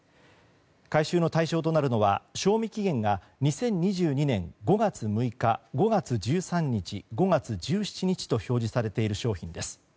回収の対象となるのは賞味期限が２０２２年５月６日５月１３日、５月１７日と表示されている商品です。